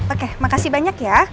oke makasih banyak ya